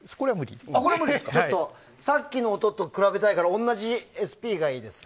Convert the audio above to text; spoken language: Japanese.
さっきの音と比べたいから同じＳＰがいいです。